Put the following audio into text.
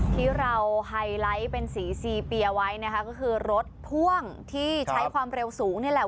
ที่เราไฮไลท์เป็นสีซีเปียไว้นะคะก็คือรถพ่วงที่ใช้ความเร็วสูงนี่แหละ